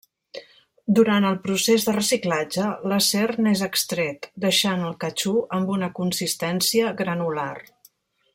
Durant el procés de reciclatge l’acer n’és extret, deixant el catxú amb una consistència granular.